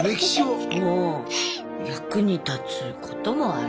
役に立つこともある。